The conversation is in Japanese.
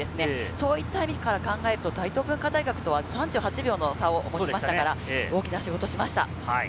そういった意味から考えると大東文化大学とは３８秒の差を持ちましたから大きな仕事をしました。